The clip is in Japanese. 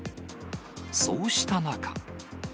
そうした中。